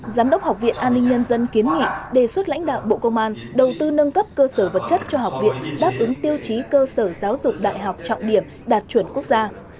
giám đốc học viện an ninh nhân dân kiến nghị đề xuất lãnh đạo bộ công an đầu tư nâng cấp cơ sở vật chất cho học viện đáp ứng tiêu chí cơ sở giáo dục đại học trọng điểm đạt chuẩn quốc gia